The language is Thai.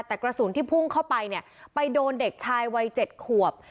แต่กระสุนที่พุ่งเข้าไปเนี่ยไปโดนเด็กชายวัย๗ขวบ